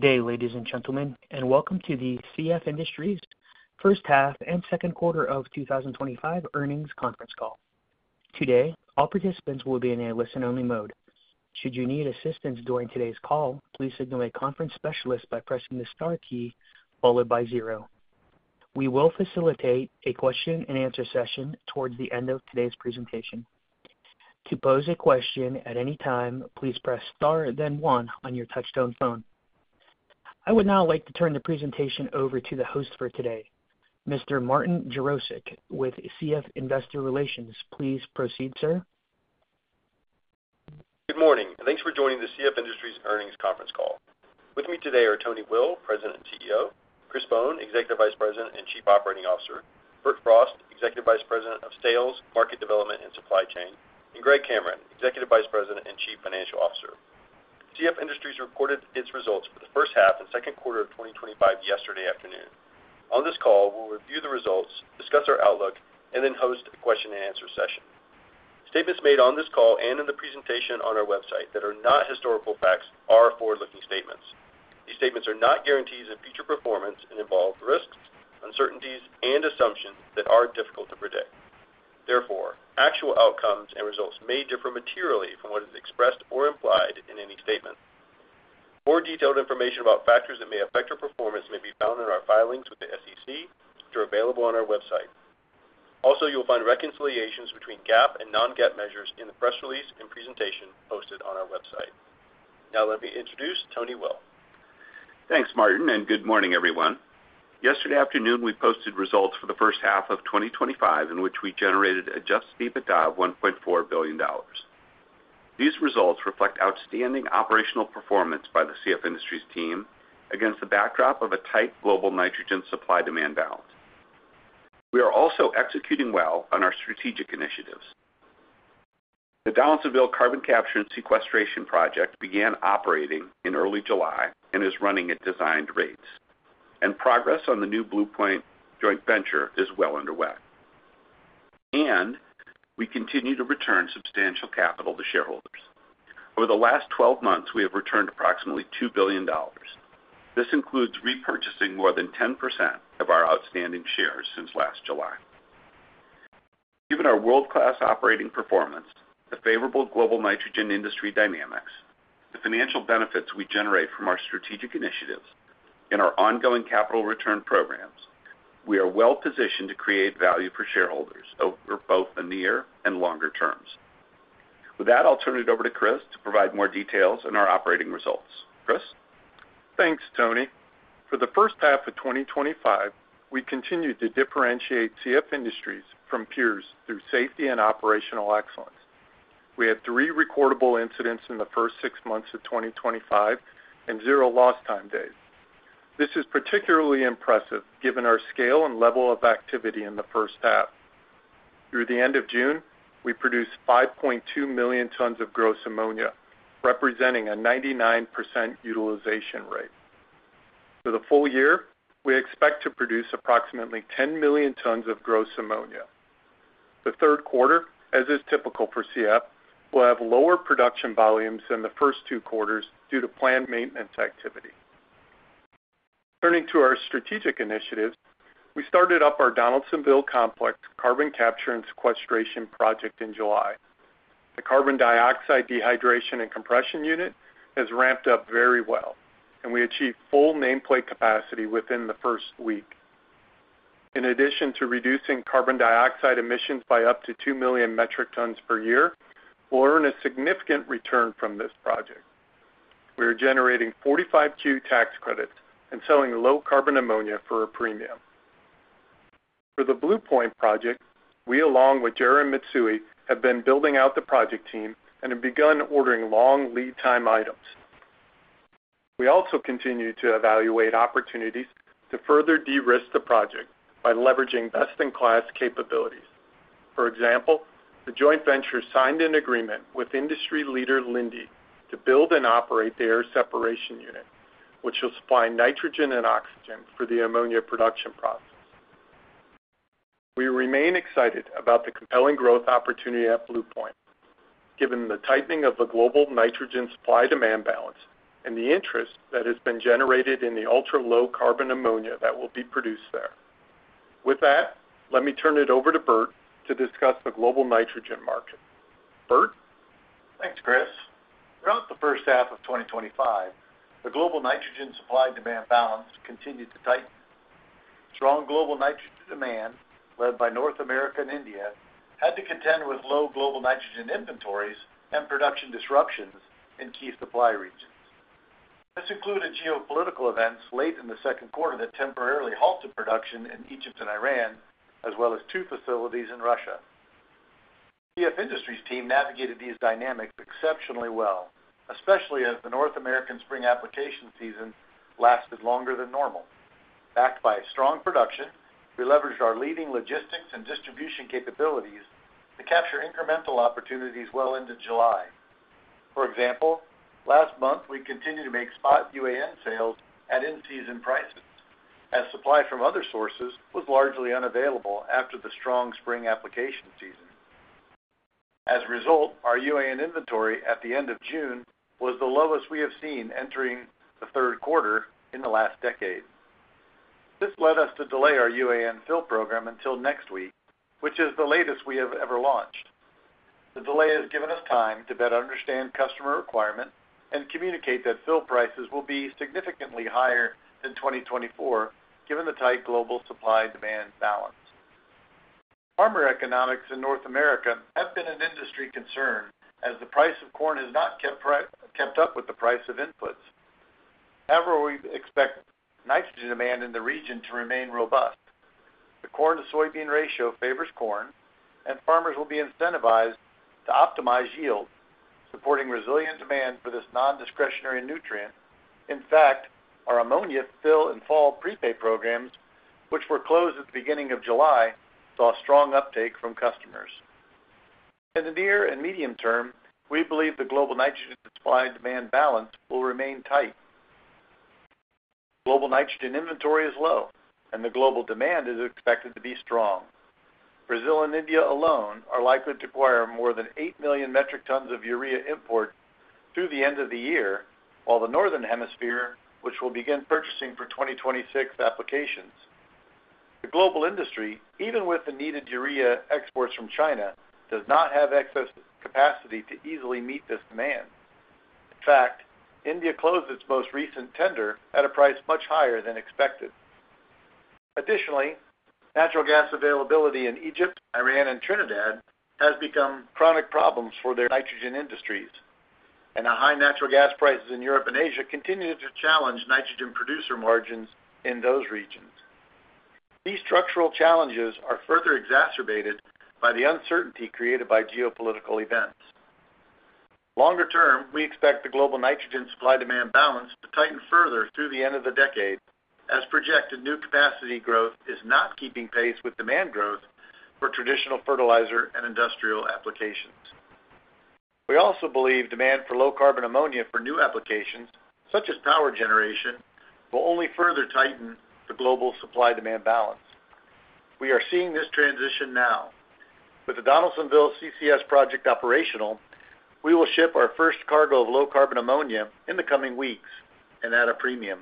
Good day, ladies and gentlemen, and welcome to the CF Industries' first half and second quarter of 2025 earnings conference call. Today, all participants will be in a listen-only mode. Should you need assistance during today's call, please signal a conference specialist by pressing the star key followed by zero. We will facilitate a question-and-answer session towards the end of today's presentation. To pose a question at any time, please press star then one on your touch-tone phone. I would now like to turn the presentation over to the host for today, Mr. Martin Jarosick with CF Industries Investor Relations. Please proceed, sir. Good morning and thanks for joining the CF Industries earnings conference call. With me today are Tony Will, President and CEO, Chris Bohn, Executive Vice President and Chief Operating Officer, Bert Frost, Executive Vice President of Sales, Market Development, and Supply Chain, and Greg Cameron, Executive Vice President and Chief Financial Officer. CF Industries reported its results for the first half and second quarter of 2025 yesterday afternoon. On this call, we'll review the results, discuss our outlook, and then host a question-and-answer session. Statements made on this call and in the presentation on our website that are not historical facts are forward-looking statements. These statements are not guarantees of future performance and involve risks, uncertainties, and assumptions that are difficult to predict. Therefore, actual outcomes and results may differ materially from what is expressed or implied in any statement. More detailed information about factors that may affect your performance may be found in our filings with the SEC, which are available on our website. Also, you'll find reconciliations between GAAP and non-GAAP measures in the press release and presentation posted on our website. Now, let me introduce Tony Will. Thanks, Martin, and good morning, everyone. Yesterday afternoon, we posted results for the first half of 2025, in which we generated adjusted EBITDA of $1.4 billion. These results reflect outstanding operational performance by the CF Industries team against the backdrop of a tight global nitrogen supply-demand balance. We are also executing well on our strategic initiatives. The Donaldsonville Carbon Capture and Sequestration Project began operating in early July and is running at designed rates, and progress on the new Blue Point joint venture is well underway. We continue to return substantial capital to shareholders. Over the last 12 months, we have returned approximately $2 billion. This includes repurchasing more than 10% of our outstanding shares since last July. Given our world-class operating performance, the favorable global nitrogen industry dynamics, the financial benefits we generate from our strategic initiatives, and our ongoing capital return programs, we are well positioned to create value for shareholders over both the near and longer-terms. With that, I'll turn it over to Chris to provide more details on our operating results. Chris? Thanks, Tony. For the first half of 2025, we continued to differentiate CF Industries from peers through safety and operational excellence. We had three recordable incidents in the first six months of 2025 and zero lost time days. This is particularly impressive given our scale and level of activity in the first half. Through the end of June, we produced 5.2 million tons of gross ammonia, representing a 99% utilization rate. For the full year, we expect to produce approximately 10 million tons of gross ammonia. The third quarter, as is typical for CF Industries, will have lower production volumes than the first two quarters due to planned maintenance activity. Turning to our strategic initiatives, we started up our Donaldsonville Carbon Capture and Sequestration Project in July. The carbon dioxide dehydration and compression unit has ramped up very well, and we achieved full nameplate capacity within the first week. In addition to reducing carbon dioxide emissions by up to 2 million metric tons per year, we'll earn a significant return from this project. We are generating 45Q tax credits and selling low-carbon ammonia for a premium. For the Blue Point joint venture, we, along with Linde, have been building out the project team and have begun ordering long lead time items. We also continue to evaluate opportunities to further de-risk the project by leveraging best-in-class capabilities. For example, the joint venture signed an agreement with industry leader Linde to build and operate the air separation unit, which will supply nitrogen and oxygen for the ammonia production process. We remain excited about the compelling growth opportunity at Blue Point, given the tightening of the global nitrogen supply-demand balance and the interest that has been generated in the ultra-low carbon ammonia that will be produced there. With that, let me turn it over to Bert to discuss the global nitrogen market. Bert? Thanks, Chris. Throughout the first half of 2025, the global nitrogen supply-demand balance continued to tighten. Strong global nitrogen demand, led by North America and India, had to contend with low global nitrogen inventories and production disruptions in key supply regions. This included geopolitical events late in the second quarter that temporarily halted production in Egypt and Iran, as well as two facilities in Russia. The CF Industries team navigated these dynamics exceptionally well, especially as the North American spring application season lasted longer than normal. Backed by strong production, we leveraged our leading logistics and distribution capabilities to capture incremental opportunities well into July. For example, last month, we continued to make spot UAN sales at in-season prices, as supply from other sources was largely unavailable after the strong spring application season. As a result, our UAN inventory at the end of June was the lowest we have seen entering the third quarter in the last decade. This led us to delay our UAN fill program until next week, which is the latest we have ever launched. The delay has given us time to better understand customer requirements and communicate that fill prices will be significantly higher in 2024, given the tight global supply-demand balance. Farmer economics in North America have been an industry concern, as the price of corn has not kept up with the price of inputs. However, we expect nitrogen demand in the region to remain robust. The corn-to-soybean ratio favors corn, and farmers will be incentivized to optimize yield, supporting resilient demand for this non-discretionary nutrient. In fact, our ammonia fill and fall prepaid programs, which were closed at the beginning of July, saw a strong uptake from customers. In the near- and medium-term, we believe the global nitrogen supply-demand balance will remain tight. Global nitrogen inventory is low, and the global demand is expected to be strong. Brazil and India alone are likely to acquire more than 8 million metric tons of urea imports through the end of the year, while the Northern Hemisphere, which will begin purchasing for 2026 applications, the global industry, even with the needed urea exports from China, does not have excess capacity to easily meet this demand. In fact, India closed its most recent tender at a price much higher than expected. Additionally, natural gas availability in Egypt, Iran, and Trinidad has become chronic problems for their nitrogen industries, and the high natural gas prices in Europe and Asia continue to challenge nitrogen producer margins in those regions. These structural challenges are further exacerbated by the uncertainty created by geopolitical events. Longer-term, we expect the global nitrogen supply-demand balance to tighten further through the end of the decade, as projected new capacity growth is not keeping pace with demand growth for traditional fertilizer and industrial applications. We also believe demand for low-carbon ammonia for new applications, such as power generation, will only further tighten the global supply-demand balance. We are seeing this transition now. With the Donaldsonville CCS Project operational, we will ship our first cargo of low-carbon ammonia in the coming weeks and at a premium.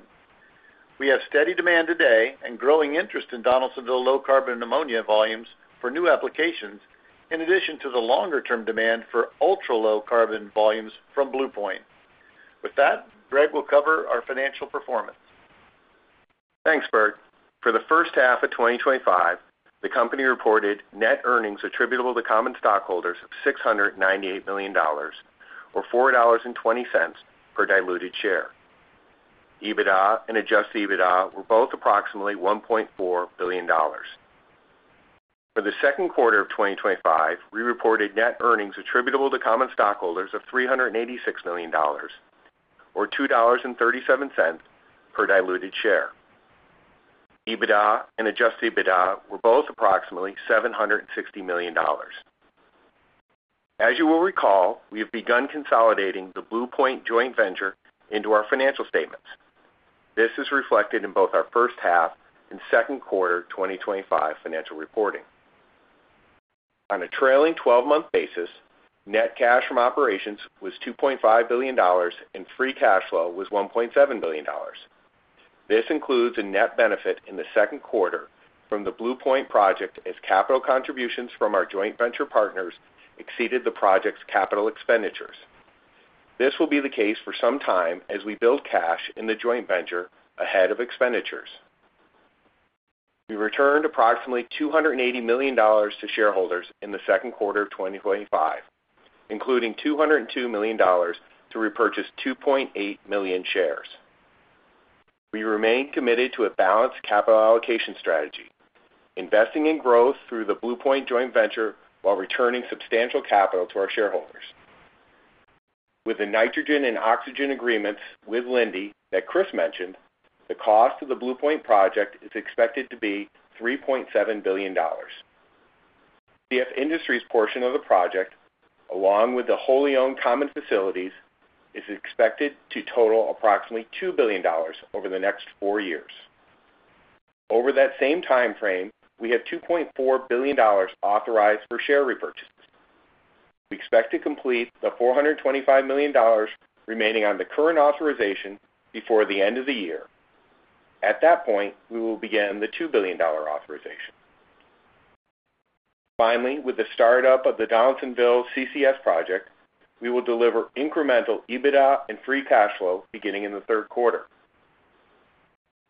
We have steady demand today and growing interest in Donaldsonville low-carbon ammonia volumes for new applications, in addition to the longer-term demand for ultra-low carbon volumes from Blue Point. With that, Greg will cover our financial performance. Thanks, Bert. For the first half of 2025, the company reported net earnings attributable to common stockholders of $698 million, or $4.20 per diluted share. EBITDA and adjusted EBITDA were both approximately $1.4 billion. For the second quarter of 2025, we reported net earnings attributable to common stockholders of $386 million, or $2.37 per diluted share. EBITDA and adjusted EBITDA were both approximately $760 million. As you will recall, we have begun consolidating the Blue Point joint venture into our financial statements. This is reflected in both our first half and second quarter 2025 financial reporting. On a trailing 12-month basis, net cash from operations was $2.5 billion and free cash flow was $1.7 billion. This includes a net benefit in the second quarter from the Blue Point project as capital contributions from our joint venture partners exceeded the project's capital expenditures. This will be the case for some time as we build cash in the joint venture ahead of expenditures. We returned approximately $280 million to shareholders in the second quarter of 2025, including $202 million to repurchase 2.8 million shares. We remain committed to a balanced capital allocation strategy, investing in growth through the Blue Point joint venture while returning substantial capital to our shareholders. With the nitrogen and oxygen agreements with Linde that Chris mentioned, the cost of the Blue Point joint venture project is expected to be $3.7 billion. CF Industries' portion of the project, along with the wholly owned common facilities, is expected to total approximately $2 billion over the next four years. Over that same timeframe, we have $2.4 billion authorized for share repurchases. We expect to complete the $425 million remaining on the current authorization before the end of the year. At that point, we will begin the $2 billion authorization. Finally, with the startup of the Donaldsonville CCS Project, we will deliver incremental EBITDA and free cash flow beginning in the third quarter.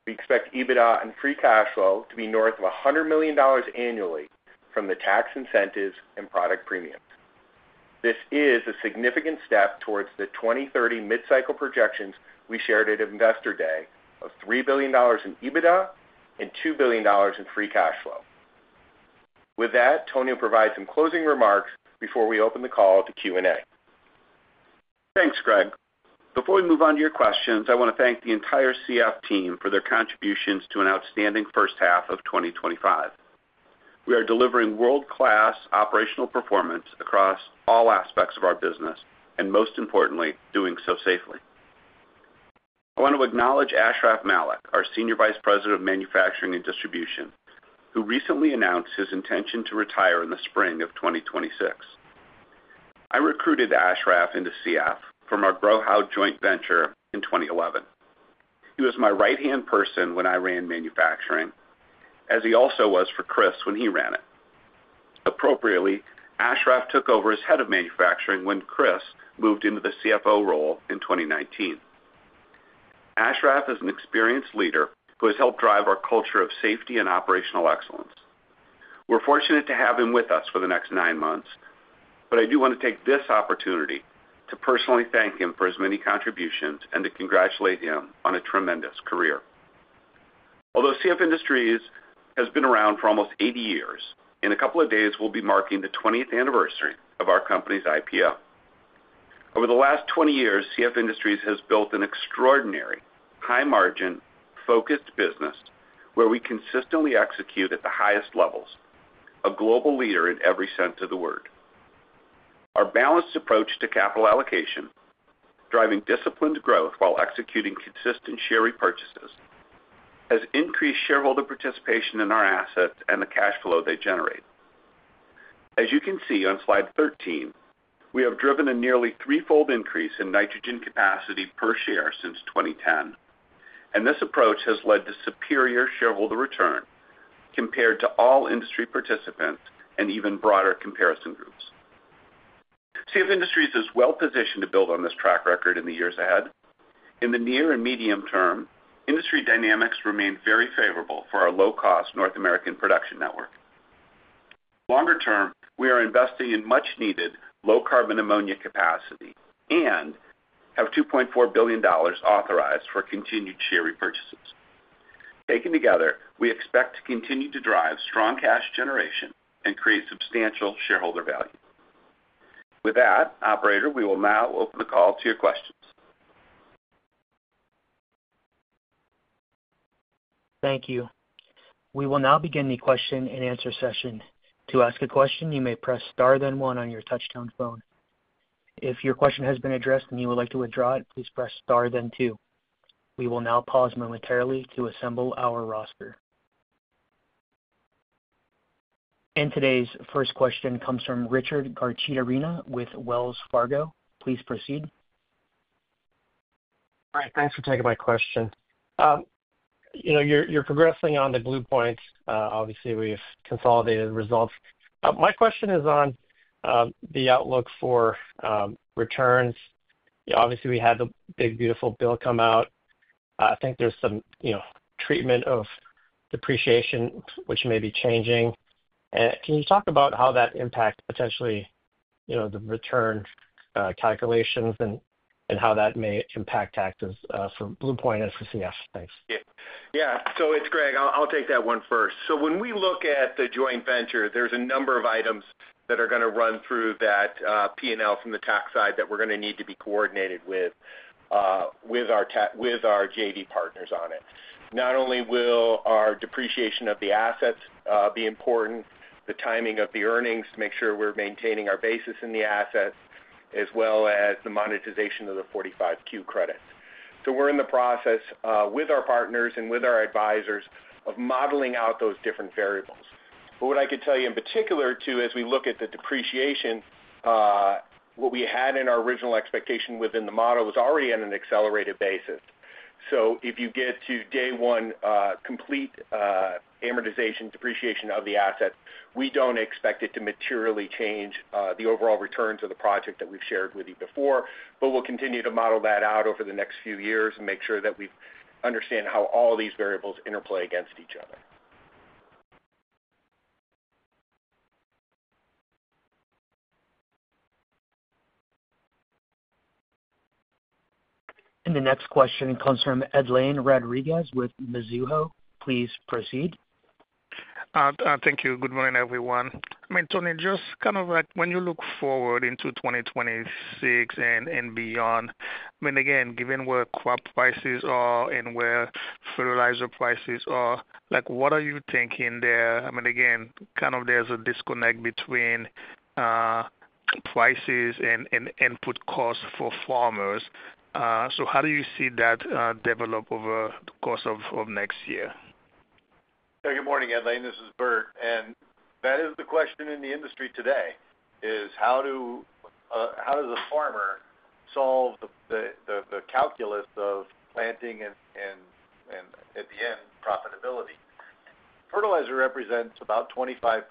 We expect EBITDA and free cash flow to be north of $100 million annually from the tax incentives and product premiums. This is a significant step towards the 2030 mid-cycle projections we shared at Investor Day of $3 billion in EBITDA and $2 billion in free cash flow. With that, Tony will provide some closing remarks before we open the call to Q&A. Thanks, Greg. Before we move on to your questions, I want to thank the entire CF Industries team for their contributions to an outstanding first half of 2025. We are delivering world-class operational performance across all aspects of our business, and most importantly, doing so safely. I want to acknowledge Ashraf Malik, our Senior Vice President of Manufacturing and Distribution, who recently announced his intention to retire in the spring of 2026. I recruited Ashraf into CF Industries from our Borouge joint venture in 2011. He was my right-hand person when I ran manufacturing, as he also was for Chris when he ran it. Appropriately, Ashraf took over as head of manufacturing when Chris moved into the CFO role in 2019. Ashraf is an experienced leader who has helped drive our culture of safety and operational excellence. We're fortunate to have him with us for the next nine months, but I do want to take this opportunity to personally thank him for his many contributions and to congratulate him on a tremendous career. Although CF Industries has been around for almost 80 years, in a couple of days, we'll be marking the 20th anniversary of our company's IPO. Over the last 20 years, CF Industries has built an extraordinary, high-margin, focused business where we consistently execute at the highest levels, a global leader in every sense of the word. Our balanced approach to capital allocation, driving disciplined growth while executing consistent share repurchases, has increased shareholder participation in our assets and the cash flow they generate. As you can see on slide 13, we have driven a nearly threefold increase in nitrogen capacity per share since 2010, and this approach has led to superior shareholder return compared to all industry participants and even broader comparison groups. CF Industries is well positioned to build on this track record in the years ahead. In the near- and medium-term, industry dynamics remain very favorable for our low-cost North American production network. Longer-term, we are investing in much-needed low-carbon ammonia capacity and have $2.4 billion authorized for continued share repurchases. Taken together, we expect to continue to drive strong cash generation and create substantial shareholder value. With that, operator, we will now open the call to your questions. Thank you. We will now begin the question-and-answer session. To ask a question, you may press star, then one on your touch-tone phone. If your question has been addressed and you would like to withdraw it, please press star, then two. We will now pause momentarily to assemble our roster. Today's first question comes from Richard Garchitorena with Wells Fargo. Please proceed. All right. Thanks for taking my question. You're progressing on the Blue Point. Obviously, we've consolidated the results. My question is on the outlook for returns. Obviously, we had the big, beautiful bill come out. I think there's some treatment of depreciation, which may be changing. Can you talk about how that impacts potentially the return calculations and how that may impact taxes for Blue Point and for CF Industries? Thanks. Yeah. Yeah. It's Greg. I'll take that one first. When we look at the joint venture, there's a number of items that are going to run through that P&L from the tax side that we're going to need to be coordinated with our JV partners on. Not only will our depreciation of the assets be important, the timing of the earnings to make sure we're maintaining our basis in the assets, as well as the monetization of the 45Q credits. We're in the process with our partners and with our advisors of modeling out those different variables. What I could tell you in particular, too, as we look at the depreciation, what we had in our original expectation within the model was already on an accelerated basis. If you get to day one, complete amortization, depreciation of the assets, we don't expect it to materially change the overall returns of the project that we've shared with you before. We'll continue to model that out over the next few years and make sure that we understand how all these variables interplay against each other. The next question comes from Edlain Rodriguez with Mizuho. Please proceed. Thank you. Good morning, everyone. Tony, when you look forward into 2026 and beyond, given where crop prices are and where fertilizer prices are, what are you thinking there? There is a disconnect between prices and input costs for farmers. How do you see that develop over the course of next year? Good morning, Edlain. This is Bert. That is the question in the industry today: how does a farmer solve the calculus of planting and, at the end, profitability? Fertilizer represents about 25%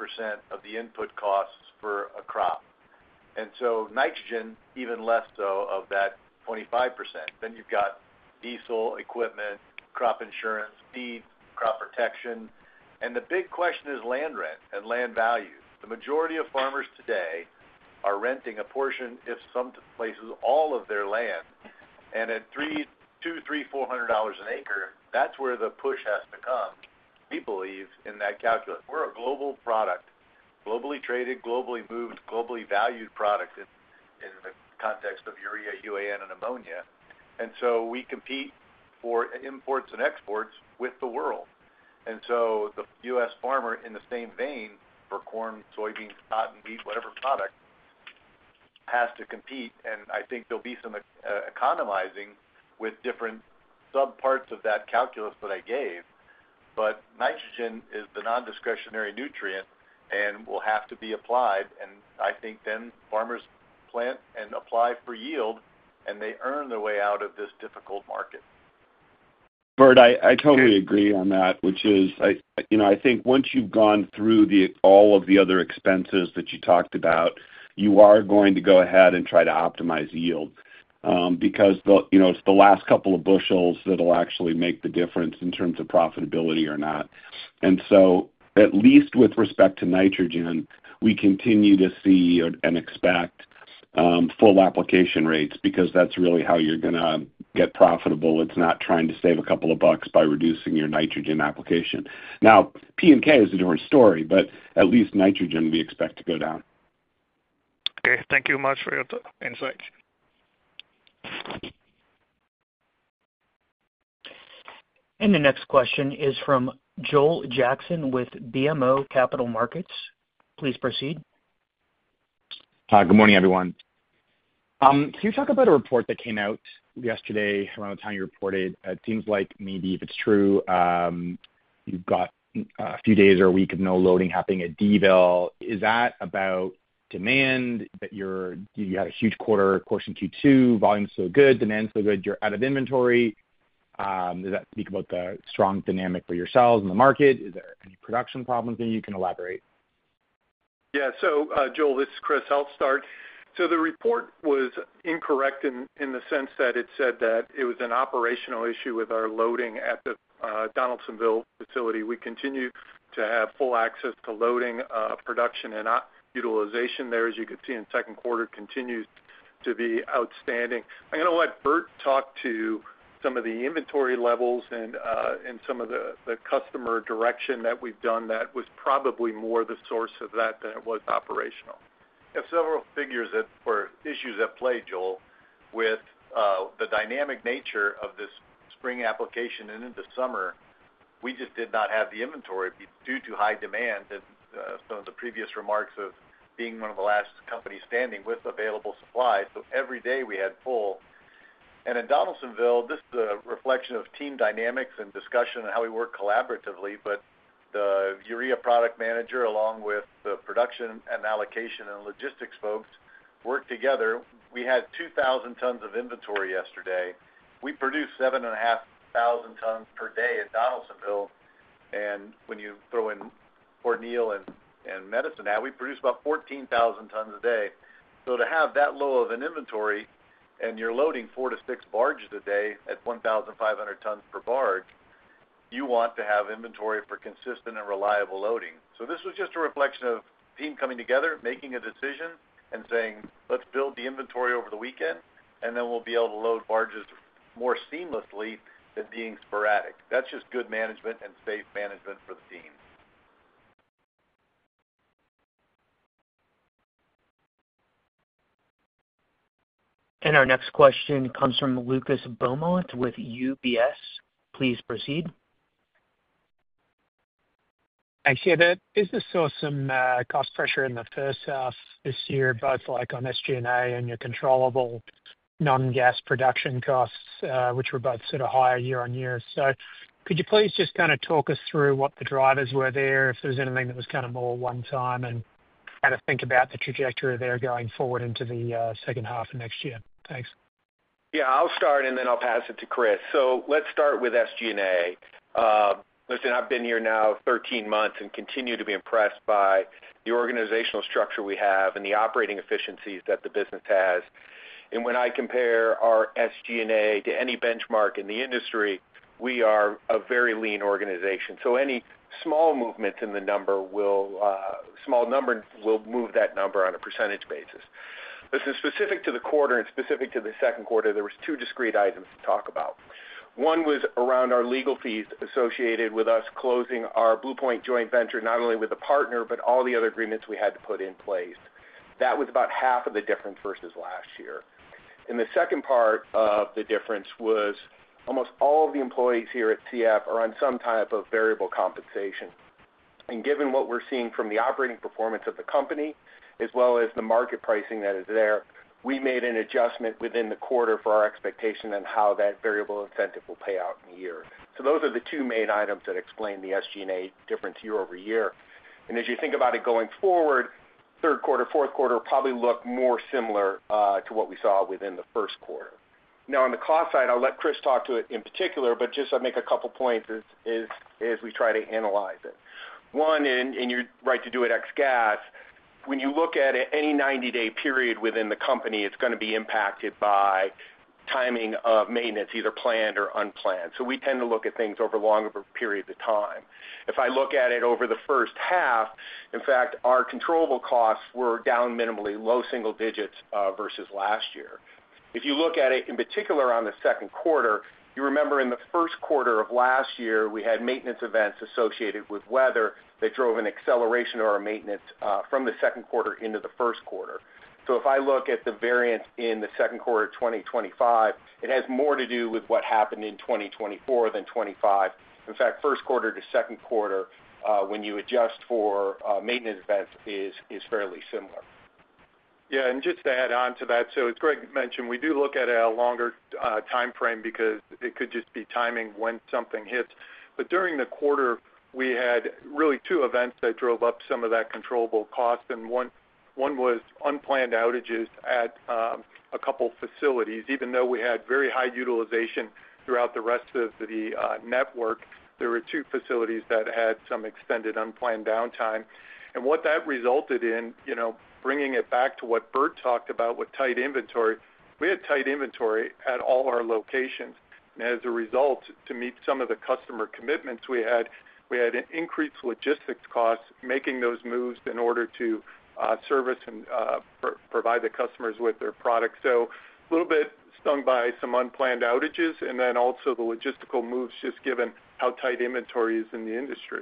of the input costs for a crop, and nitrogen, even less so of that 25%. Then you've got diesel equipment, crop insurance, seeds, crop protection. The big question is land rent and land value. The majority of farmers today are renting a portion, in some places, all of their land. At $200, $300, $400 an acre, that's where the push has to come. We believe in that calculus. We're a global product, globally traded, globally moved, globally valued product in the context of urea, UAN, and ammonia. We compete for imports and exports with the world. The U.S. farmer, in the same vein for corn, soybeans, cotton, wheat, whatever product, has to compete. I think there'll be some economizing with different subparts of that calculus that I gave. Nitrogen is the non-discretionary nutrient and will have to be applied. I think farmers plant and apply for yield, and they earn their way out of this difficult market. Bert, I totally agree on that, which is, you know, I think once you've gone through all of the other expenses that you talked about, you are going to go ahead and try to optimize yield because it's the last couple of bushels that will actually make the difference in terms of profitability or not. At least with respect to nitrogen, we continue to see and expect full application rates because that's really how you're going to get profitable. It's not trying to save a couple of bucks by reducing your nitrogen application. P and K is a different story, but at least nitrogen we expect to go down. Okay. Thank you very much for your insights. The next question is from Joel Jackson with BMO Capital Markets. Please proceed. Hi. Good morning, everyone. You talk about a report that came out yesterday around the time you reported. It seems like maybe if it's true, you've got a few days or a week of no loading happening at Donaldsonville. Is that about demand that you had a huge quarter, of course, in Q2? Volume's so good, demand's so good, you're out of inventory. Does that speak about the strong dynamic for yourselves in the market? Is there any production problems? Maybe you can elaborate. Yeah. Joel, it's Chris. I'll start. The report was incorrect in the sense that it said that it was an operational issue with our loading at the Donaldsonville facility. We continue to have full access to loading, production, and utilization there, as you could see in the second quarter, continues to be outstanding. I'm going to let Bert talk to some of the inventory levels and some of the customer direction that we've done that was probably more the source of that than it was operational. I have several figures that were issues at play, Joel, with the dynamic nature of this spring application and into summer. We just did not have the inventory. It's due to high demand and some of the previous remarks of being one of the last companies standing with available supplies. Every day we had full. In Donaldsonville, this is a reflection of team dynamics and discussion and how we work collaboratively. The urea product manager, along with the production and allocation and logistics folks, worked together. We had 2,000 tons of inventory yesterday. We produced 7,500 tons per day at Donaldsonville. When you throw in O'Neill and Medicine now, we produce about 14,000 tons a day. To have that low of an inventory and you're loading four to six barges a day at 1,500 tons per barge, you want to have inventory for consistent and reliable loading. This was just a reflection of the team coming together, making a decision, and saying, "Let's build the inventory over the weekend, and then we'll be able to load barges more seamlessly than being sporadic." That's just good management and safe management for the team. Our next question comes from Lucas Beaumont with UBS. Please proceed. Thanks. I just saw some cost pressure in the first half this year, both on SG&A and your controllable non-gas production costs, which were both sort of high year-on-year. Could you please just talk us through what the drivers were there, if there was anything that was more one-time, and think about the trajectory there going forward into the second half of next year? Thanks. Yeah, I'll start, and then I'll pass it to Chris. Let's start with SG&A. Listen, I've been here now 13 months and continue to be impressed by the organizational structure we have and the operating efficiencies that the business has. When I compare our SG&A to any benchmark in the industry, we are a very lean organization. Any small movements in the number, small numbers will move that number on a percentage basis. Specific to the quarter and specific to the second quarter, there were two discrete items to talk about. One was around our legal fees associated with us closing our Blue Point joint venture, not only with the partner, but all the other agreements we had to put in place. That was about half of the difference versus last year. The second part of the difference was almost all of the employees here at CF Industries are on some type of variable compensation. Given what we're seeing from the operating performance of the company, as well as the market pricing that is there, we made an adjustment within the quarter for our expectation on how that variable incentive will pay out in the year. Those are the two main items that explain the SG&A difference year over year. As you think about it going forward, third quarter and fourth quarter probably look more similar to what we saw within the first quarter. Now, on the cost side, I'll let Chris talk to it in particular, but I'll make a couple of points as we try to analyze it. One, and you're right to do it ex gas, when you look at it, any 90-day period within the company is going to be impacted by timing of maintenance, either planned or unplanned. We tend to look at things over longer periods of time. If I look at it over the first half, in fact, our controllable costs were down minimally, low single digits versus last year. If you look at it in particular on the second quarter, you remember in the first quarter of last year, we had maintenance events associated with weather that drove an acceleration of our maintenance from the second quarter into the first quarter. If I look at the variance in the second quarter of 2025, it has more to do with what happened in 2024 than 2025. In fact, first quarter to second quarter, when you adjust for maintenance events, is fairly similar. Yeah. Just to add on to that, as Greg mentioned, we do look at a longer timeframe because it could just be timing when something hits. During the quarter, we had really two events that drove up some of that controllable cost. One was unplanned outages at a couple of facilities. Even though we had very high utilization throughout the rest of the network, there were two facilities that had some extended unplanned downtime. That resulted in, bringing it back to what Bert talked about with tight inventory, we had tight inventory at all our locations. As a result, to meet some of the customer commitments we had, we had increased logistics costs, making those moves in order to service and provide the customers with their products. We were a little bit stung by some unplanned outages and also the logistical moves, given how tight inventory is in the industry.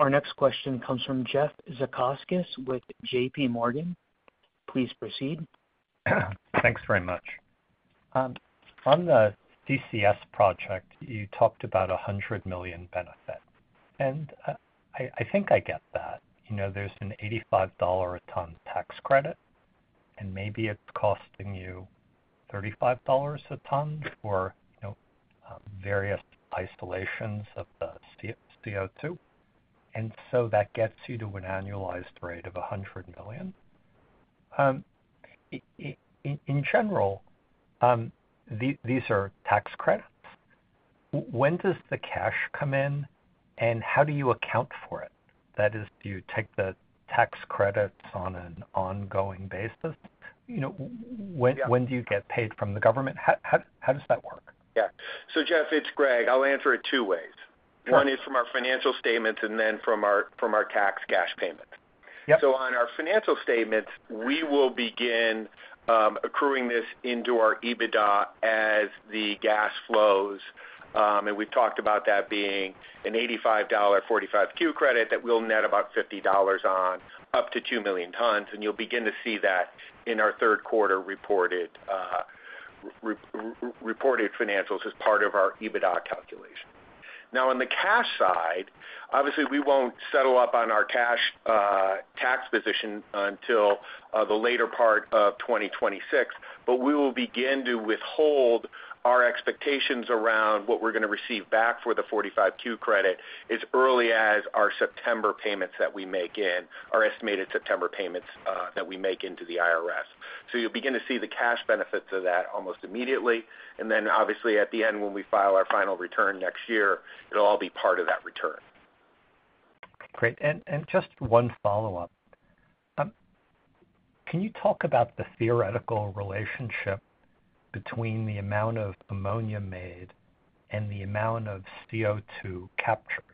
Our next question comes from Jeff Zekauskas with JPMorgan. Please proceed. Thanks very much. On the Donaldsonville CCS Project, you talked about $100 million benefits. I think I get that. You know, there's an $85 per ton tax credit, and maybe it's costing you $35 per ton for, you know, various isolations of the CO2. That gets you to an annualized rate of $100 million. In general, these are tax credits. When does the cash come in, and how do you account for it? That is, do you take the tax credits on an ongoing basis? You know, when do you get paid from the government? How does that work? Yeah. Jeff, it's Greg. I'll answer it two ways. One is from our financial statements and then from our tax cash payments. On our financial statements, we will begin accruing this into our EBITDA as the gas flows. We've talked about that being an $85 45Q credit that we'll net about $50 on up to 2 million tons. You'll begin to see that in our third quarter reported financials as part of our EBITDA calculation. On the cash side, obviously, we won't settle up on our cash tax position until the later part of 2026, but we will begin to withhold our expectations around what we're going to receive back for the 45Q credit as early as our September payments that we make in, our estimated September payments that we make into the IRS. You'll begin to see the cash benefits of that almost immediately. At the end, when we file our final return next year, it'll all be part of that return. Great. Just one follow-up. Can you talk about the theoretical relationship between the amount of ammonia made and the amount of CO2 captured?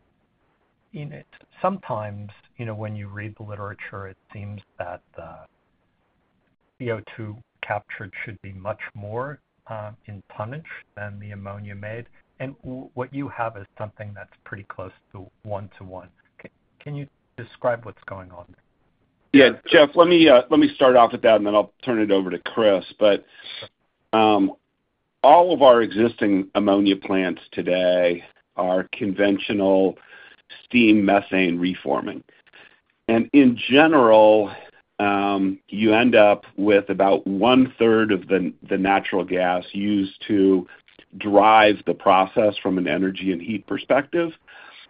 Sometimes, when you read the literature, it seems that the CO2 captured should be much more impunished than the ammonia made. What you have is something that's pretty close to one-to-one. Can you describe what's going on there? Yeah, Jeff, let me start off with that, and then I'll turn it over to Chris. All of our existing ammonia plants today are conventional steam methane reforming. In general, you end up with about 1/3 of the natural gas used to drive the process from an energy and heat perspective,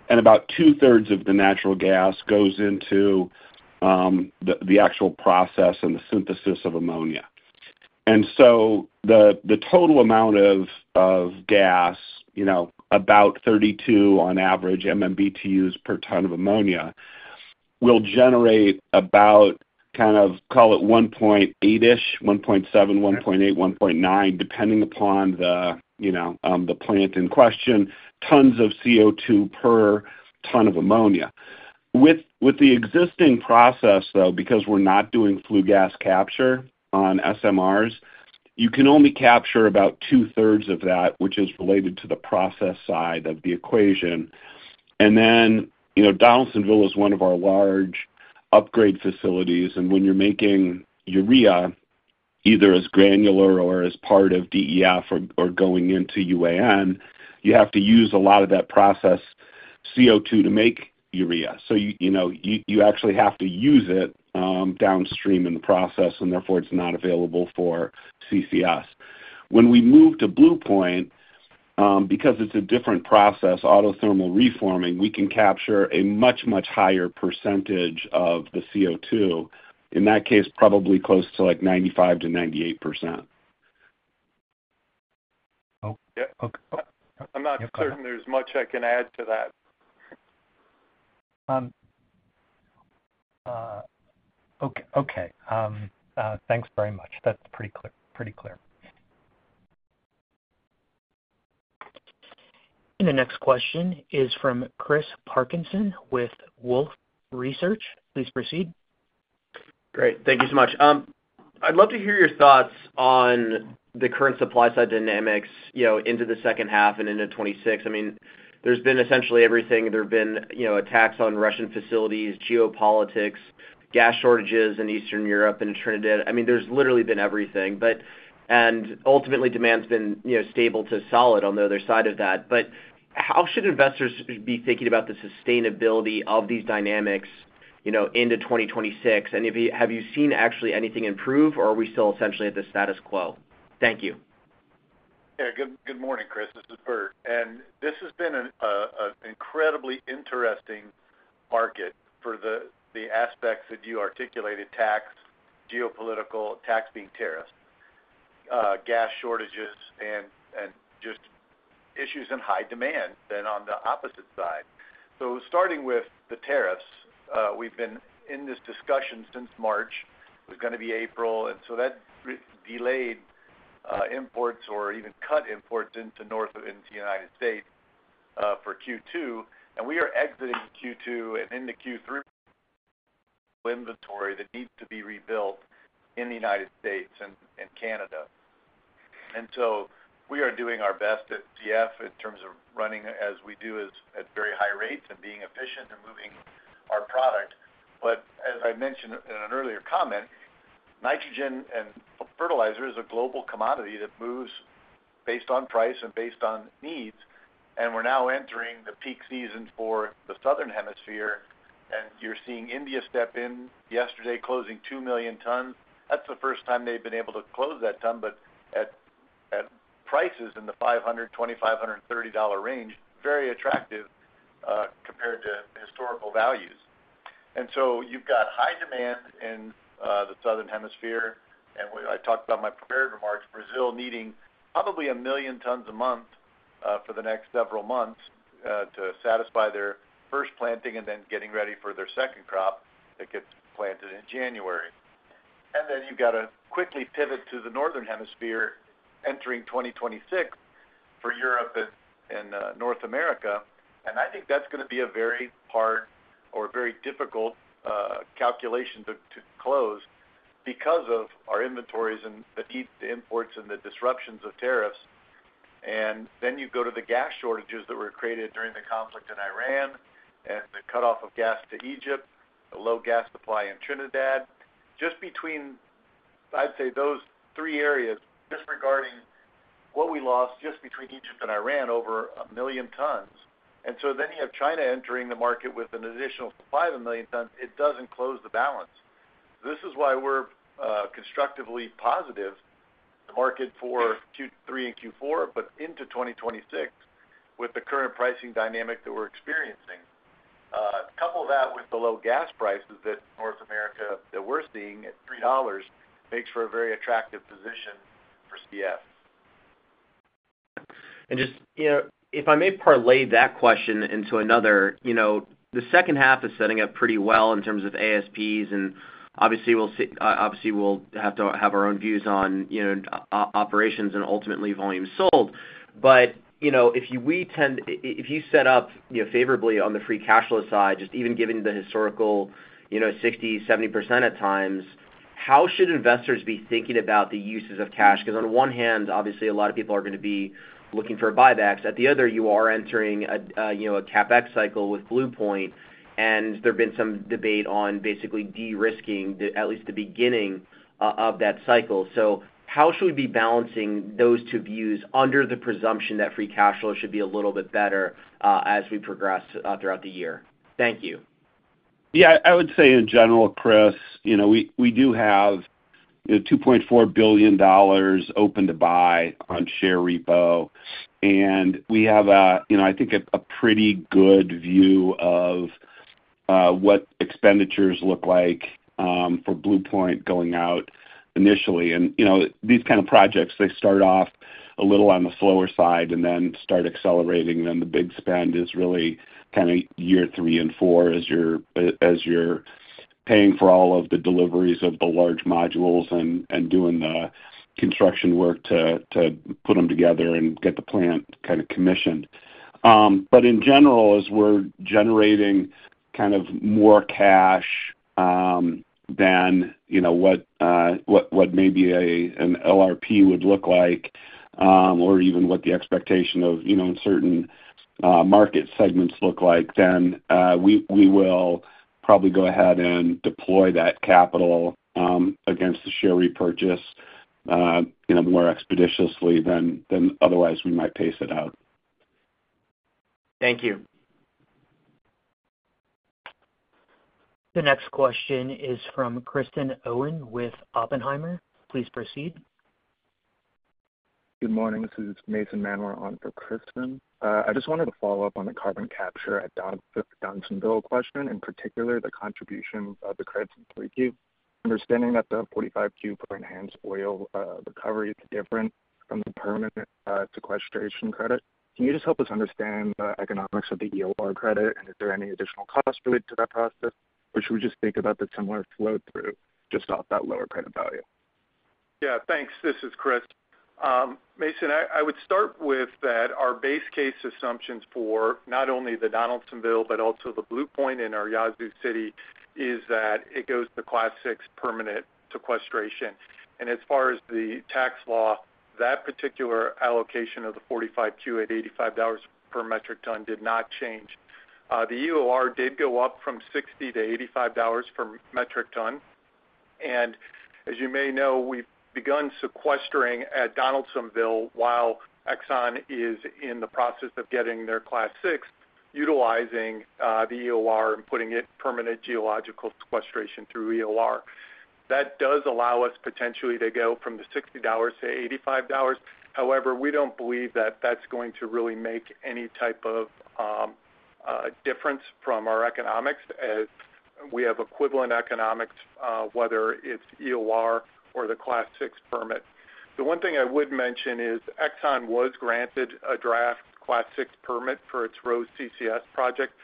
and about 2/3 of the natural gas goes into the actual process and the synthesis of ammonia. The total amount of gas, about 32 on average MMBTUs per ton of ammonia, will generate about, call it 1.8-ish, 1.7, 1.8, 1.9, depending upon the plant in question, tons of CO2 per ton of ammonia. With the existing process, though, because we're not doing flue gas capture on SMRs, you can only capture about 2/3 of that, which is related to the process side of the equation. Donaldsonville is one of our large upgrade facilities. When you're making urea, either as granular or as part of DEF or going into UAN, you have to use a lot of that process CO2 to make urea. You actually have to use it downstream in the process, and therefore, it's not available for CCS. When we move to Blue Point, because it's a different process, autothermal reforming, we can capture a much, much higher percentage of the CO2. In that case, probably close to like 95%-98%. Yeah, I'm not certain there's much I can add to that. Okay, thanks very much. That's pretty clear. The next question is from Chris Parkinson with Wolfe Research. Please proceed. Great. Thank you so much. I'd love to hear your thoughts on the current supply side dynamics into the second half and into 2026. I mean, there's been essentially everything. There have been attacks on Russian facilities, geopolitics, gas shortages in Eastern Europe and Trinidad. I mean, there's literally been everything. Ultimately, demand's been stable to solid on the other side of that. How should investors be thinking about the sustainability of these dynamics into 2026? Have you seen actually anything improve, or are we still essentially at the status quo? Thank you. Yeah. Good morning, Chris. This is Bert. This has been an incredibly interesting market for the aspects that you articulated: tax, geopolitical, tax being tariffs, gas shortages, and just issues in high demand than on the opposite side. Starting with the tariffs, we've been in this discussion since March. It was going to be April. That delayed imports or even cut imports into the United States for Q2. We are exiting Q2 and into Q3 inventory that needs to be rebuilt in the United States and Canada. We are doing our best at CF Industries in terms of running as we do at very high rates and being efficient and moving our product. As I mentioned in an earlier comment, nitrogen and fertilizer is a global commodity that moves based on price and based on needs. We're now entering the peak season for the Southern Hemisphere. You're seeing India step in yesterday, closing 2 million tons. That's the first time they've been able to close that ton, but at prices in the $520, $530 range, very attractive compared to historical values. You've got high demand in the Southern Hemisphere. I talked about in my prepared remarks, Brazil needing probably 1 million tons a month for the next several months to satisfy their first planting and then getting ready for their second crop that gets planted in January. You've got to quickly pivot to the Northern Hemisphere, entering 2026 for Europe and North America. I think that's going to be a very hard or very difficult calculation to close because of our inventories and the need to imports and the disruptions of tariffs. You go to the gas shortages that were created during the conflict in Iran and the cutoff of gas to Egypt, a low gas supply in Trinidad. Just between those three areas, just regarding what we lost just between Egypt and Iran, over 1 million tons. Then you have China entering the market with an additional supply of 1 million tons. It doesn't close the balance. This is why we're constructively positive in the market for Q3 and Q4, but into 2026 with the current pricing dynamic that we're experiencing. Couple that with the low gas prices that North America, that we're seeing at $3, makes for a very attractive position for CF. If I may parlay that question into another, the second half is setting up pretty well in terms of ASPs. Obviously, we'll have to have our own views on operations and ultimately volume sold. If you set up favorably on the free cash flow side, just even given the historical 60%, 70% at times, how should investors be thinking about the uses of cash? On one hand, obviously, a lot of people are going to be looking for buybacks. On the other, you are entering a CapEx cycle with the Blue Point, and there's been some debate on basically de-risking at least the beginning of that cycle. How should we be balancing those two views under the presumption that free cash flow should be a little bit better as we progress throughout the year? Thank you. Yeah, I would say in general, Chris, you know, we do have $2.4 billion open to buy on share repo. We have, you know, I think a pretty good view of what expenditures look like for Blue Point going out initially. These kind of projects, they start off a little on the slower side and then start accelerating. The big spend is really kind of year three and four as you're paying for all of the deliveries of the large modules and doing the construction work to put them together and get the plant kind of commissioned. In general, as we're generating kind of more cash than, you know, what maybe an LRP would look like, or even what the expectation of, you know, in certain market segments look like, then we will probably go ahead and deploy that capital against the share repurchase, you know, more expeditiously than otherwise we might pace it out. Thank you. The next question is from Kristen Owen with Oppenheimer. Please proceed. Good morning. This is Mason Manor on for Kristen. I just wanted to follow up on the carbon capture at Donaldsonville question, in particular, the contribution of the credits in 3Q. Understanding that the 45Q for enhanced oil recovery is different from the permanent sequestration credit, can you just help us understand the economics of the EOR credit? Is there any additional cost related to that process? Should we just think about the similar flow-through just off that lower credit value? Yeah, thanks. This is Chris. Mason, I would start with that our base case assumptions for not only the Donaldsonville but also the Blue Point in Oryazu City is that it goes to class VI permanent sequestration. As far as the tax law, that particular allocation of the 45Q at $85 per metric ton did not change. The EOR did go up from $60 to $85 per metric ton. As you may know, we've begun sequestering at Donaldsonville while Exxon is in the process of getting their class VI utilizing the EOR and putting it permanent geological sequestration through EOR. That does allow us potentially to go from the $60 to $85. However, we don't believe that that's going to really make any type of difference from our economics. We have equivalent economics, whether it's the EOR or the class VI permit. The one thing I would mention is Exxon was granted a draft class VI permit for its Rose CCS project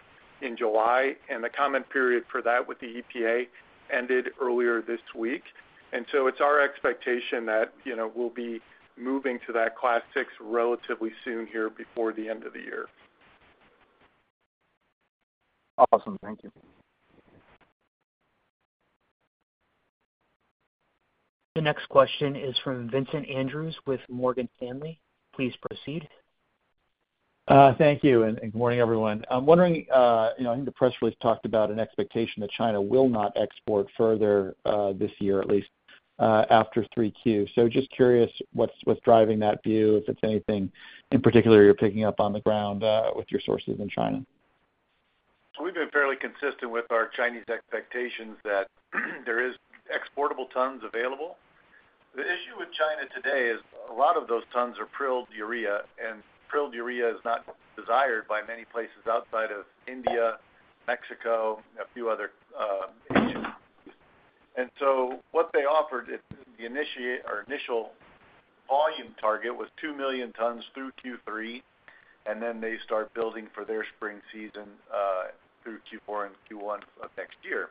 in July. The comment period for that with the EPA ended earlier this week. It's our expectation that, you know, we'll be moving to that class VI relatively soon here before the end of the year. Awesome. Thank you. The next question is from Vincent Andrews with Morgan Stanley. Please proceed. Thank you. Good morning, everyone. I'm wondering, I think the press release talked about an expectation that China will not export further this year, at least after 3Q. I'm just curious what's driving that view, if it's anything in particular you're picking up on the ground with your sources in China. We've been fairly consistent with our Chinese expectations that there are exportable tons available. The issue with China today is a lot of those tons are prilled urea, and prilled urea is not desired by many places outside of India, Mexico, and a few other Asian countries. What they offered, our initial volume target was 2 million tons through Q3, and then they start building for their spring season through Q4 and Q1 of next year.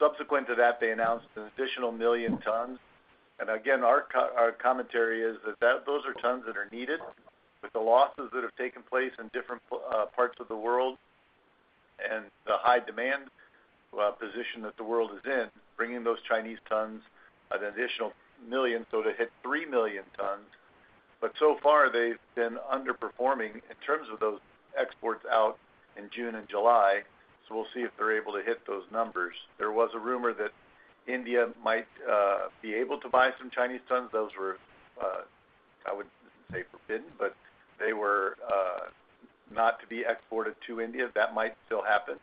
Subsequent to that, they announced an additional 1 million tons. Our commentary is that those are tons that are needed with the losses that have taken place in different parts of the world and the high demand position that the world is in, bringing those Chinese tons an additional 1 million to hit 3 million tons. They have been underperforming in terms of those exports out in June and July. We will see if they're able to hit those numbers. There was a rumor that India might be able to buy some Chinese tons. Those were, I would not say forbidden, but they were not to be exported to India. That might still happen.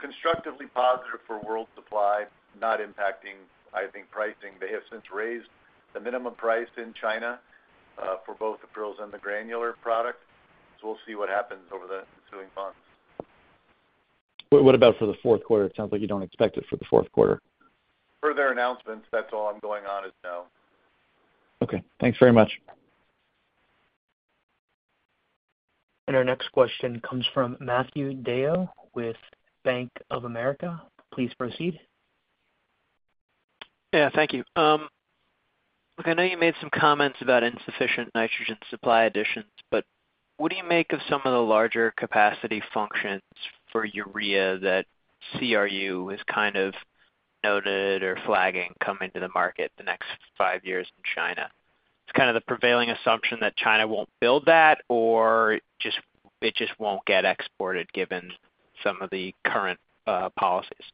Constructively positive for world supply, not impacting, I think, pricing. They have since raised the minimum price in China for both the prills and the granular product. We will see what happens over the ensuing months. What about for the fourth quarter? It sounds like you don't expect it for the fourth quarter. Per their announcements, that's all I'm going on now. Okay, thanks very much. Our next question comes from Matthew Deo with Bank of America. Please proceed. Thank you. Look, I know you made some comments about insufficient nitrogen supply additions, but what do you make of some of the larger capacity functions for urea that CRU is kind of noted or flagging coming to the market the next five years in China? It's kind of the prevailing assumption that China won't build that, or it just won't get exported given some of the current policies.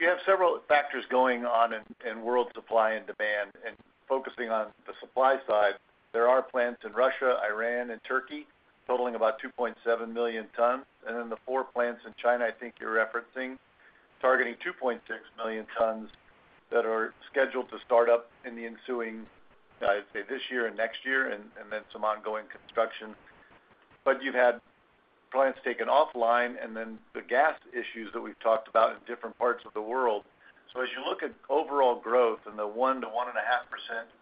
You have several factors going on in world supply and demand. Focusing on the supply side, there are plants in Russia, Iran, and Turkey totaling about 2.7 million tons. The four plants in China, I think you're referencing, targeting 2.6 million tons, are scheduled to start up in the ensuing, I'd say this year and next year, and then some ongoing construction. You've had plants taken offline, and then the gas issues that we've talked about in different parts of the world. As you look at overall growth and the 1%-1.5%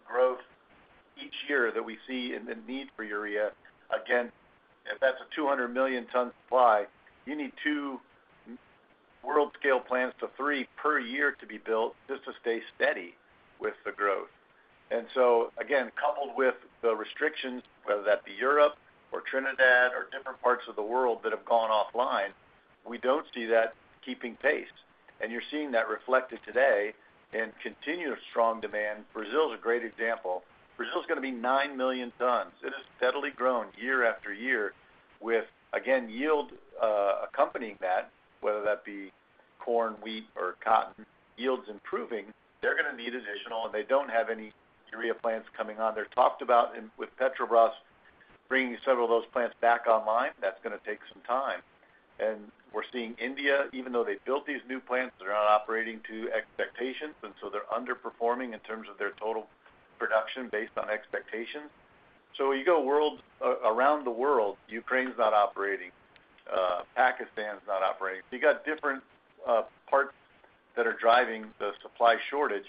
growth each year that we see in the need for urea, again, if that's a 200 million-ton supply, you need two world-scale plants to three per year to be built just to stay steady with the growth. Coupled with the restrictions, whether that be Europe or Trinidad or different parts of the world that have gone offline, we don't see that keeping pace. You're seeing that reflected today in continuous strong demand. Brazil is a great example. Brazil is going to be 9 million tons. It has steadily grown year after year with, again, yield accompanying that, whether that be corn, wheat, or cotton, yields improving. They're going to need additional, and they don't have any urea plants coming on. They're talked about with Petrobras bringing several of those plants back online, but that's going to take some time. We're seeing India, even though they built these new plants, they're not operating to expectations. They're underperforming in terms of their total production based on expectations. You go world around the world, Ukraine's not operating, Pakistan's not operating. You've got different parts that are driving the supply shortage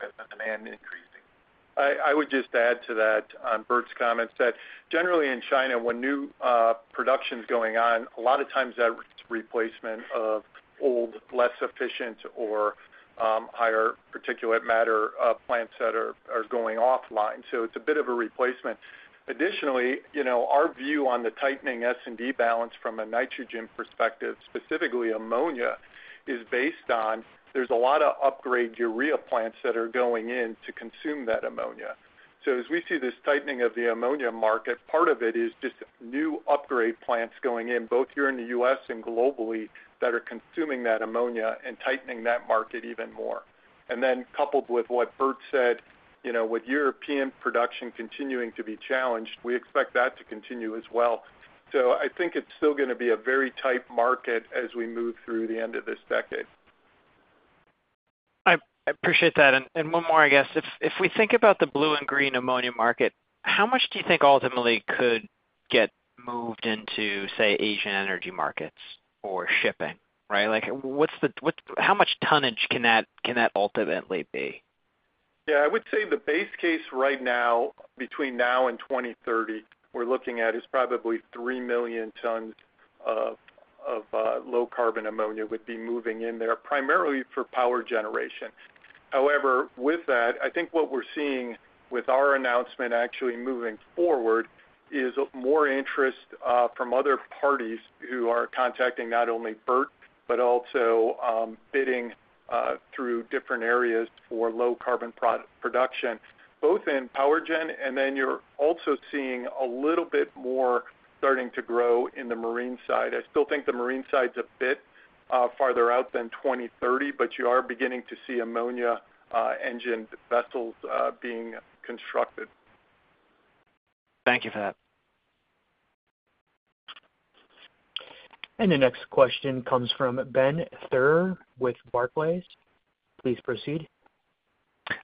and the demand increasing. I would just add to that on Bert's comments that generally in China, when new production is going on, a lot of times that is a replacement of old, less efficient, or higher particulate matter plants that are going offline. It's a bit of a replacement. Additionally, our view on the tightening S&D balance from a nitrogen perspective, specifically ammonia, is based on there's a lot of upgrade urea plants that are going in to consume that ammonia. As we see this tightening of the ammonia market, part of it is just new upgrade plants going in, both here in the U.S. and globally, that are consuming that ammonia and tightening that market even more. Coupled with what Bert said, with European production continuing to be challenged, we expect that to continue as well. I think it's still going to be a very tight market as we move through the end of this decade. I appreciate that. One more, I guess. If we think about the blue and green ammonia market, how much do you think ultimately could get moved into, say, Asian energy markets for shipping? What's the, how much tonnage can that ultimately be? Yeah, I would say the base case right now, between now and 2030, we're looking at is probably 3 million tons of low-carbon ammonia would be moving in there, primarily for power generation. However, with that, I think what we're seeing with our announcement actually moving forward is more interest from other parties who are contacting not only Bert, but also bidding through different areas for low-carbon production, both in PowerGen. You're also seeing a little bit more starting to grow in the marine side. I still think the marine side is a bit farther out than 2030, but you are beginning to see ammonia engine vessels being constructed. Thank you for that. The next question comes from Ben Theurer with Barclays. Please proceed.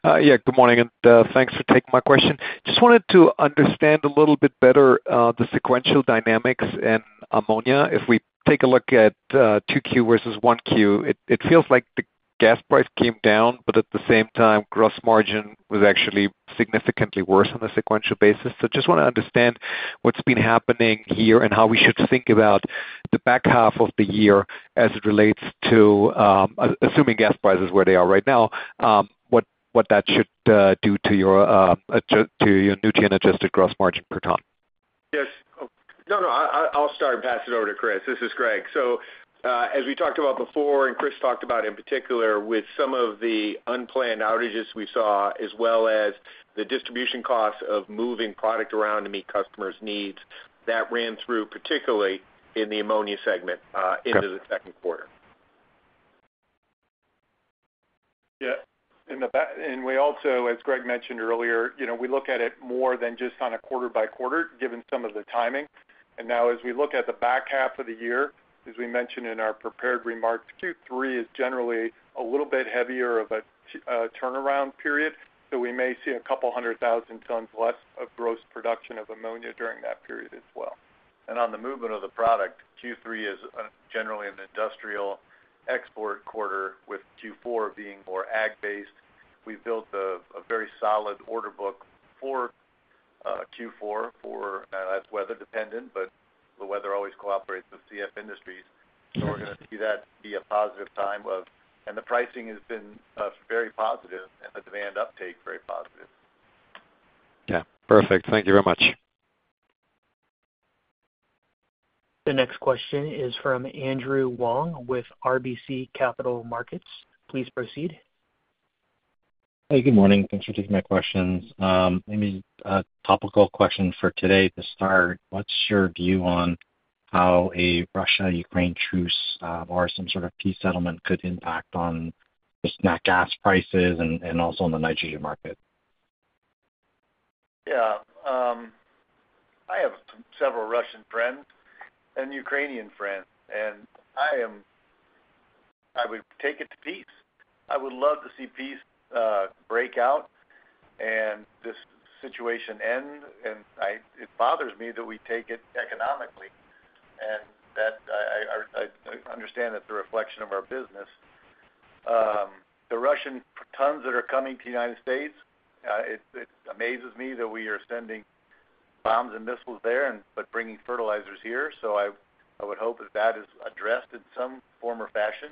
Good morning, and thanks for taking my question. I just wanted to understand a little bit better the sequential dynamics in ammonia. If we take a look at 2Q versus 1Q, it feels like the gas price came down, but at the same time, gross margin was actually significantly worse on the sequential basis. I just want to understand what's been happening here and how we should think about the back half of the year as it relates to assuming gas prices where they are right now, what that should do to your new tier and adjusted gross margin per ton. Yes. No, I'll start and pass it over to Chris. This is Greg. As we talked about before and Chris talked about in particular with some of the unplanned outages we saw, as well as the distribution costs of moving product around to meet customers' needs, that ran through particularly in the ammonia segment into the second quarter. Yeah. As Greg mentioned earlier, we look at it more than just on a quarter by quarter, given some of the timing. Now, as we look at the back half of the year, as we mentioned in our prepared remarks, Q3 is generally a little bit heavier of a turnaround period. We may see a couple hundred thousand tons less of gross production of ammonia during that period as well. On the movement of the product, Q3 is generally an industrial export quarter, with Q4 being more ag-based. We've built a very solid order book for Q4, and that's weather dependent, but the weather always cooperates with CF Industries. We're going to see that be a positive time, and the pricing has been very positive and the demand uptake is very positive. Yeah, perfect. Thank you very much. The next question is from Andrew Wong with RBC Capital Markets. Please proceed. Hey, good morning. Thanks for taking my questions. A topical question for today as far as what's your view on how a Russia-Ukraine truce or some sort of peace settlement could impact on just natural gas prices and also on the Nigeria market? Yeah. I have several Russian friends and Ukrainian friends, and I am, I would take it to peace. I would love to see peace break out and this situation end. It bothers me that we take it economically, and I understand that's a reflection of our business. The Russian tons that are coming to the United States, it amazes me that we are sending bombs and missiles there and bringing fertilizers here. I would hope that that is addressed in some form or fashion.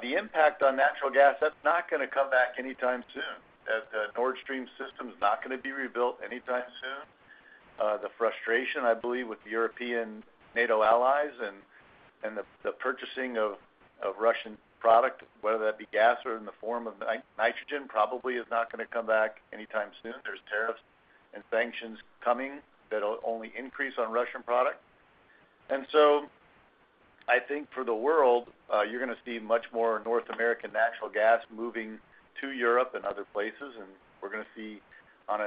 The impact on natural gas, that's not going to come back anytime soon. The Nord Stream system is not going to be rebuilt anytime soon. The frustration, I believe, with the European NATO allies and the purchasing of Russian product, whether that be gas or in the form of nitrogen, probably is not going to come back anytime soon. There are tariffs and sanctions coming that will only increase on Russian product. I think for the world, you're going to see much more North American natural gas moving to Europe and other places. We're going to see on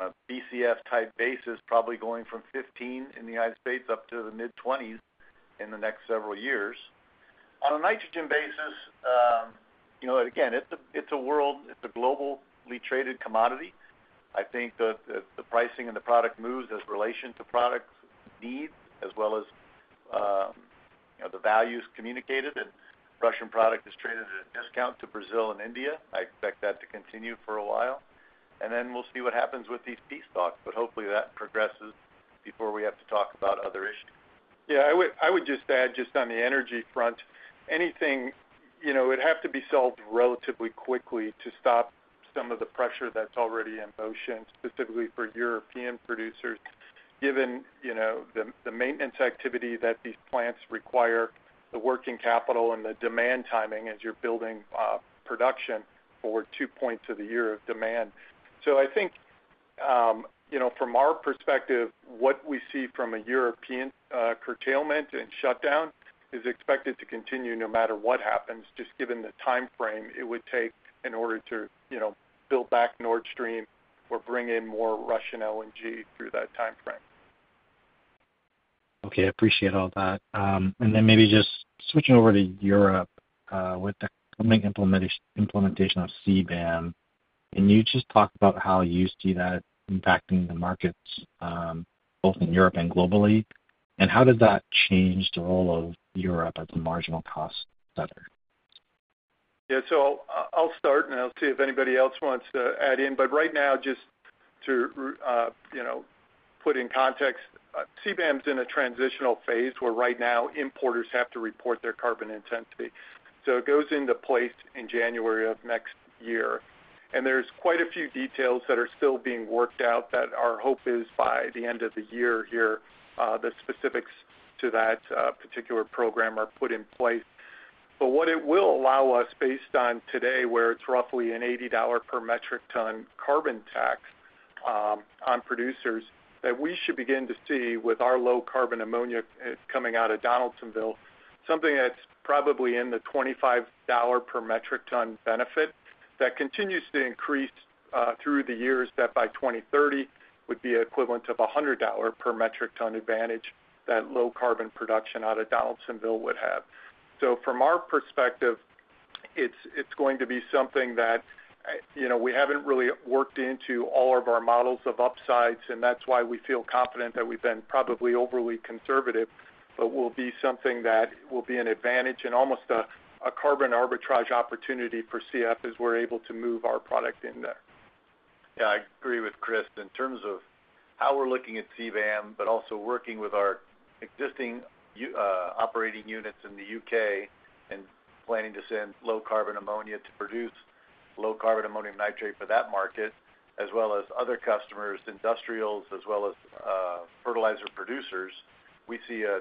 a BCF-type basis, probably going from [15] in the United States up to the [mid-20s] in the next several years. On a nitrogen basis, you know, again, it's a globally traded commodity. I think that the pricing and the product moves as relation to product needs, as well as, you know, the values communicated. Russian product is traded at a discount to Brazil and India. I expect that to continue for a while. We'll see what happens with these peace talks. Hopefully, that progresses before we have to talk about other issues. I would just add, just on the energy front, anything would have to be solved relatively quickly to stop some of the pressure that's already in motion, specifically for European producers, given the maintenance activity that these plants require, the working capital, and the demand timing as you're building production for two points of the year of demand. I think from our perspective, what we see from a European curtailment and shutdown is expected to continue no matter what happens, just given the timeframe it would take in order to build back Nord Stream or bring in more Russian LNG through that timeframe. Okay. I appreciate all that. Maybe just switching over to Europe with the implementation of CBAM. You just talked about how you see that impacting the markets, both in Europe and globally. How does that change the role of Europe as a marginal cost center? Yeah. I'll start and I'll see if anybody else wants to add in. Right now, just to put in context, CBAM is in a transitional phase where right now importers have to report their carbon intensity. It goes into place in January of next year. There are quite a few details that are still being worked out. Our hope is by the end of the year here, the specifics to that particular program are put in place. What it will allow us, based on today, where it's roughly an $80 per metric ton carbon tax on producers, is that we should begin to see with our low-carbon ammonia that's coming out of Donaldsonville something that's probably in the $25 per metric ton benefit that continues to increase through the years. By 2030, it would be equivalent to the $100 per metric ton advantage that low-carbon production out of Donaldsonville would have. From our perspective, it's going to be something that we haven't really worked into all of our models of upsides. That's why we feel confident that we've been probably overly conservative, but it will be something that will be an advantage and almost a carbon arbitrage opportunity for CF Industries as we're able to move our product in there. Yeah, I agree with Chris in terms of how we're looking at CBAM, but also working with our existing operating units in the U.K. and planning to send low-carbon ammonia to produce low-carbon ammonium nitrate for that market, as well as other customers, industrials, as well as fertilizer producers. We see a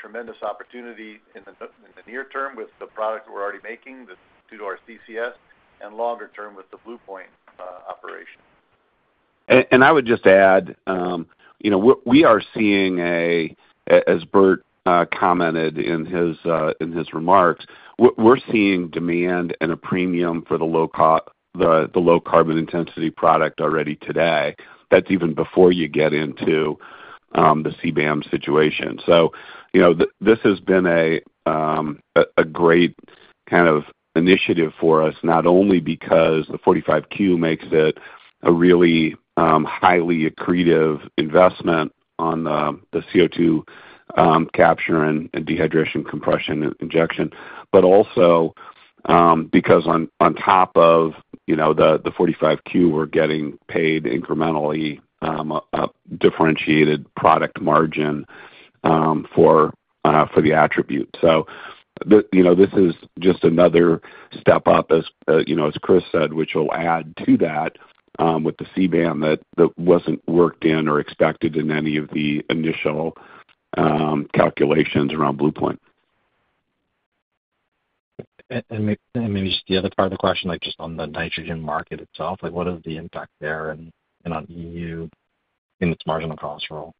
tremendous opportunity in the near-term with the product that we're already making due to our CCS and longer term with the Blue Point joint venture. I would just add, you know, we are seeing, as Bert commented in his remarks, we're seeing demand and a premium for the low-carbon intensity product already today. That's even before you get into the CBAM situation. This has been a great kind of initiative for us, not only because the 45Q makes it a really highly accretive investment on the CO2 capture and dehydration compression injection, but also because on top of the 45Q, we're getting paid incrementally a differentiated product margin for the attribute. This is just another step up, as you know, as Chris said, which will add to that with the CBAM that wasn't worked in or expected in any of the initial calculations around Blue Point. Maybe just the other part of the question, just on the nitrogen market itself, what is the impact there and on EU in its marginal cost role?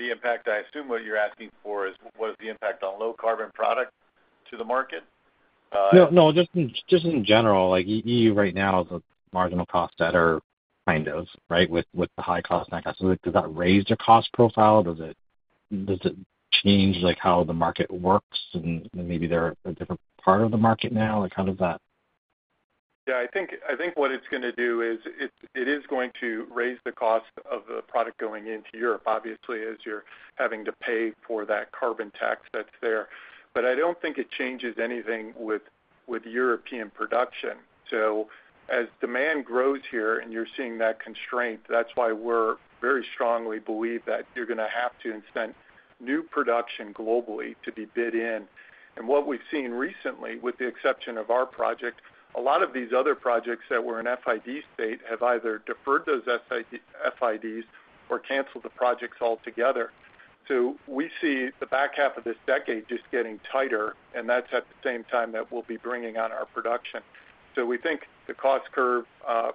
The impact, I assume what you're asking for is what is the impact on low-carbon product to the market? No, just in general, like EU right now is a marginal cost setter, kind of, right, with the high cost. Does that raise your cost profile? Does it change how the market works and maybe they're a different part of the market now? Like how does that? Yeah, I think what it's going to do is it is going to raise the cost of the product going into Europe, obviously, as you're having to pay for that carbon tax that's there. I don't think it changes anything with European production. As demand grows here and you're seeing that constraint, that's why we're very strongly believing that you're going to have to incent new production globally to be bid in. What we've seen recently, with the exception of our project, a lot of these other projects that were in FID state have either deferred those FIDs or canceled the projects altogether. We see the back half of this decade just getting tighter, and that's at the same time that we'll be bringing on our production. We think the cost curve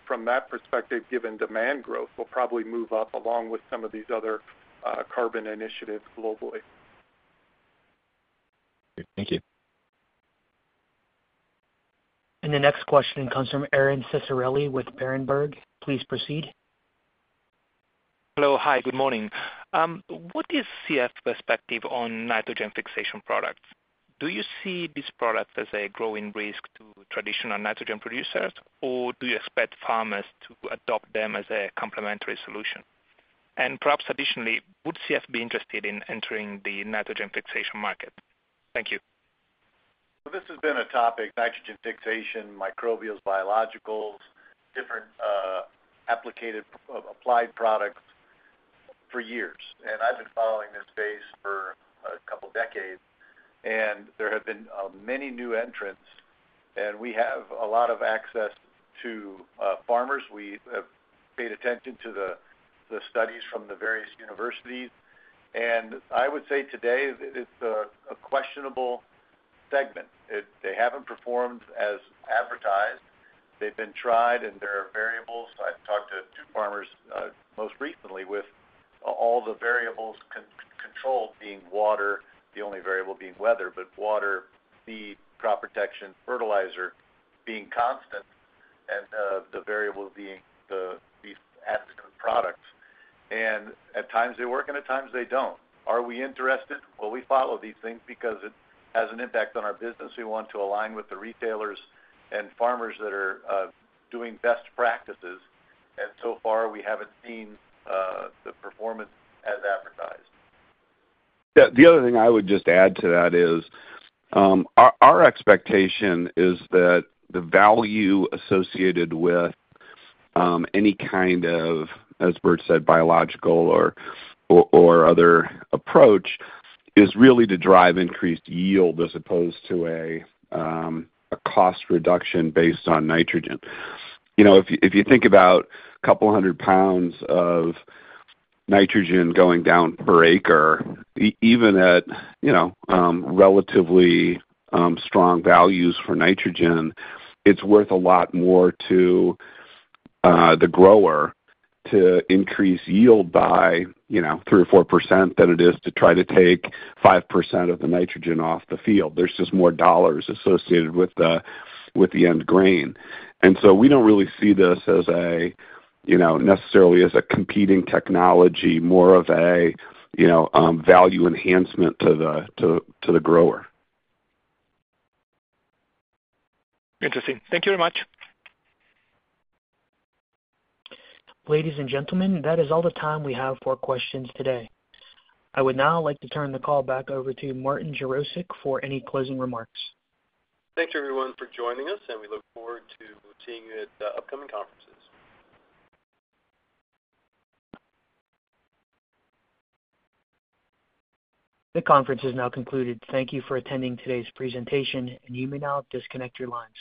from that perspective, given demand growth, will probably move up along with some of these other carbon initiatives globally. Thank you. The next question comes from [Aaron Ciccarelli with Perinberg]. Please proceed. Hello. Hi. Good morning. What is CF's perspective on nitrogen fixation products? Do you see this product as a growing risk to traditional nitrogen producers, or do you expect farmers to adopt them as a complementary solution? Perhaps additionally, would CF be interested in entering the nitrogen fixation market? Thank you. This has been a topic, nitrogen fixation, microbials, biologicals, different applied products for years. I have been following this space for a couple of decades. There have been many new entrants. We have a lot of access to farmers. We have paid attention to the studies from the various universities. I would say today that it's a questionable segment. They haven't performed as advertised. They've been tried, and there are variables. I have talked to two farmers most recently with all the variables controlled, being water, the only variable being weather, but water, feed, crop protection, fertilizer being constant, and the variable being the additive products. At times they work and at times they don't. Are we interested? We follow these things because it has an impact on our business. We want to align with the retailers and farmers that are doing best practices. So far, we haven't seen the performance as advertised. Yeah. The other thing I would just add to that is our expectation is that the value associated with any kind of, as Bert said, biological or other approach is really to drive increased yield as opposed to a cost reduction based on nitrogen. If you think about a couple hundred pounds of nitrogen going down per acre, even at relatively strong values for nitrogen, it's worth a lot more to the grower to increase yield by 3% or 4% than it is to try to take 5% of the nitrogen off the field. There's just more dollars associated with the end grain. We don't really see this necessarily as a competing technology, more of a value enhancement to the grower. Interesting. Thank you very much. Ladies and gentlemen, that is all the time we have for questions today. I would now like to turn the call back over to Martin Jarosick for any closing remarks. Thanks, everyone, for joining us, and we look forward to seeing you at the upcoming conferences. The conference is now concluded. Thank you for attending today's presentation, and you may now disconnect your lines.